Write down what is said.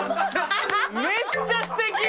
めっちゃすてき！